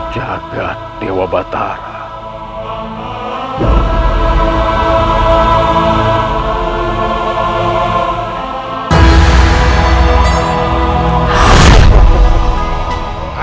jaga dewa batara